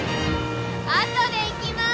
あとで行きます